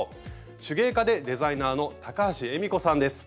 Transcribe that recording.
手芸家でデザイナーの高橋恵美子さんです。